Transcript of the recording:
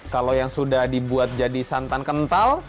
kalau yang sudah dibuat jadi santan kental